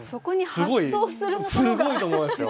すごいと思いますよ。